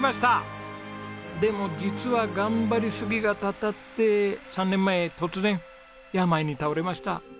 でも実は頑張りすぎがたたって３年前突然病に倒れました。